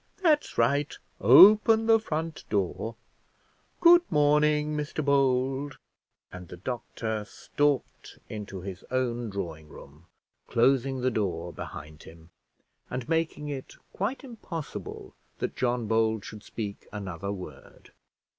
That's right; open the front door. Good morning, Mr Bold;" and the doctor stalked into his own drawing room, closing the door behind him, and making it quite impossible that John Bold should speak another word.